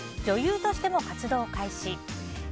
女優としても活動開始。